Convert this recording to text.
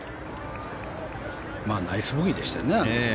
ナイスボギーでしたね。